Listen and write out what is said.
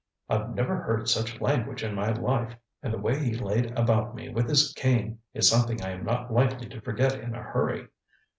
I've never heard such language in my life, and the way he laid about me with his cane is something I am not likely to forget in a hurry.